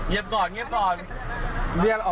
เยี่ยวก่อนเยี่ยวก่อน